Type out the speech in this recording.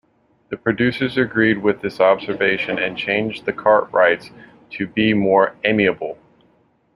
The producers agreed with this observation and changed the Cartwrights to be more amiable.